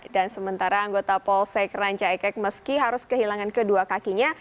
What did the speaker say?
dan sementara anggota polsek rancaikek meski harus kehilangan kedua kakinya